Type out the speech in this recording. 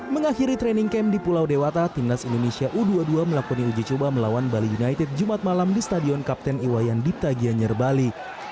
mengakhiri training camp di pulau dewata timnas indonesia u dua puluh dua melakoni uji coba melawan bali united jumat malam di stadion kapten iwayan dipta gianyar bali